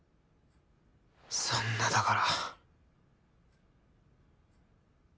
そんなだから。